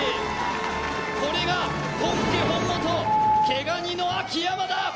これが本家本元・毛ガニの秋山だ。